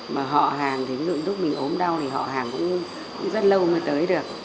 mà họ hàng ví dụ lúc mình ốm đau thì họ hàng cũng rất lâu mới tới được